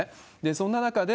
そんな中で、